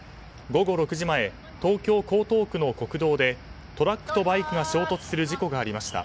午後６時前東京・江東区の国道でトラックとバイクが衝突する事故がありました。